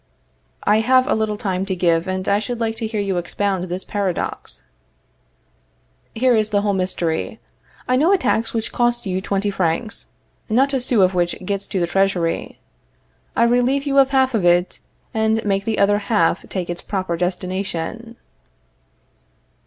I have a little time to give, and I should like to hear you expound this paradox. Here is the whole mystery: I know a tax which costs you twenty francs, not a sou of which gets to the Treasury. I relieve you of half of it, and make the other half take its proper destination.